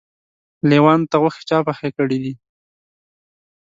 لېوانو ته غوښې چا پخې کړی دي.